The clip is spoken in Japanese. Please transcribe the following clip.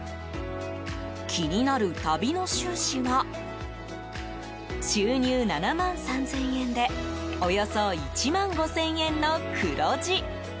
気になる旅の収支は収入７万３０００円でおよそ１万５０００円の黒字。